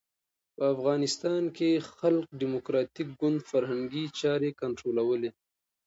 په افغانستان کې خلق ډیموکراټیک ګوند فرهنګي چارې کنټرولولې.